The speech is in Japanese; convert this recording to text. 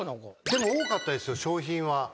でも多かったですよ賞品は。